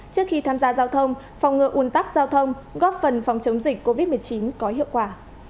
trước khi tham gia giao thông phòng ngừa un tắc giao thông góp phần phòng chống dịch covid một mươi chín có hiệu quả